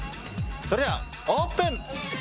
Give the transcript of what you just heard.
それではオープン！